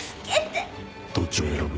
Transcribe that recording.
どっちを選ぶ？